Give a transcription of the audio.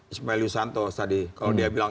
ismail yusanto tadi kalau dia bilang